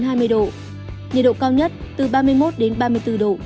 nhiệt độ cao nhất từ ba mươi một ba mươi bốn độ có nơi trên ba mươi năm độ